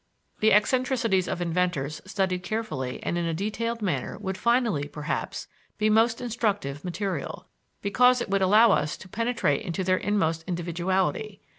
The eccentricities of inventors studied carefully and in a detailed manner would finally, perhaps, be most instructive material, because it would allow us to penetrate into their inmost individuality.